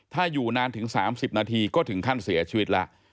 ถ้าอยู่นานถึง๓๐นาทีก็ถึงขั้นเสียชีวิตแล้ว